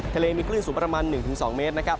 ทะเลมีคลื่นสูงประมาณ๑๒เมตรนะครับ